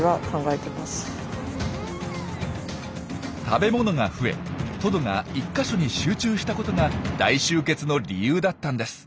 食べ物が増えトドが１か所に集中したことが大集結の理由だったんです。